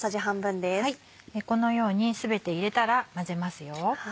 このように全て入れたら混ぜますよ。